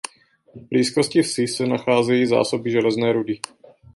V blízkosti vsi se nacházejí zásoby železné rudy.